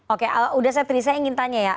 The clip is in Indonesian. oke sudah saya terisai ingin tanya ya